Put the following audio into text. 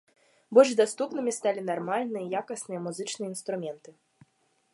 Больш даступнымі сталі нармальныя, якасныя музычныя інструменты.